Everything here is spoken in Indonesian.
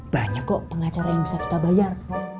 banyak kok pengacara yang bisa kita bayar